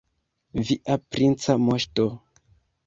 Via princa moŝto!